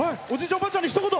おばあちゃんに、ひと言。